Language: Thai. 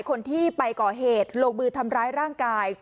คนที่ไปก่อเหตุลงมือทำร้ายร่างกาย